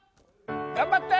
頑張って！